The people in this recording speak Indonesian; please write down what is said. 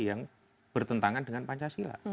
yang bertentangan dengan pancasila